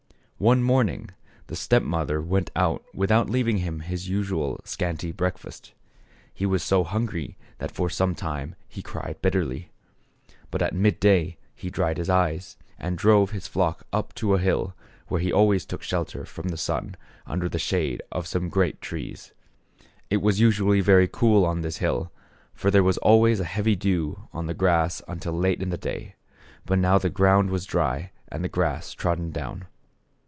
One morning the step mother went out with out leaving him even his usual scanty breakfast. He was so hungry that for some time he cried bitterly. But at mid day he dried his eyes and drove his flock up to a hill where he always took shelter from the sun under the shade of some great trees. It was usually very cool on this hill, for there was always a heavy dew on the grass until late in the day ; but now the ground was dry and the grass trodden down.